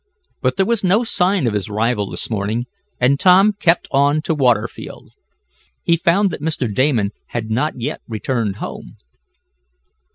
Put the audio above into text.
But there was no sign of his rival this morning, and Tom kept on to Waterfield. He found that Mr. Damon had not yet returned home.